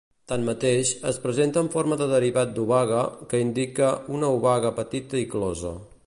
Tanmateix, es presenta en forma de derivat d'obaga, que indica una obaga petita i closa.